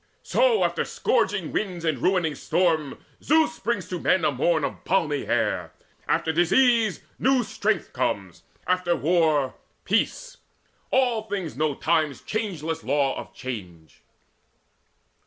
So after scourging winds and ruining storms Zeus brings to men a morn of balmy air; After disease new strength comes, after war Peace: all things know Time's changeless law of change."